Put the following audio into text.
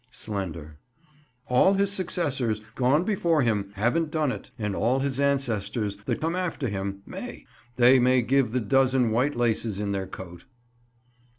Slender. All his successors, gone before him, have done't; and all his ancestors, that come after him, may; they may give the dozen white laces in their coat.